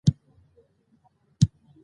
د وطن په دعاګانو کې خپل ځانونه شریک کړئ.